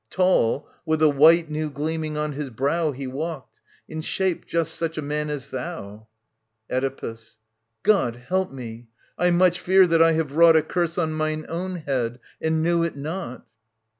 Tall, with the white new gleaming on his brow He walked. In shape just such a man as thou. Oedipus. God help me I I much fear that I have wrought A curse on mine own head, and knew it not.